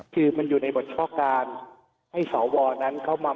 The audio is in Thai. คือมันอยู่ในบทเฉพาะการให้สวนั้นเข้ามา